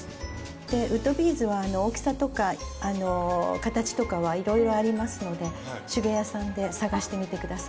でウッドビーズは大きさとか形とかはいろいろありますので手芸屋さんで探してみてください。